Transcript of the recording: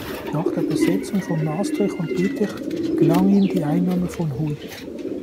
Nach der Besetzung von Maastricht und Lüttich gelang ihm die Einnahme von Huy.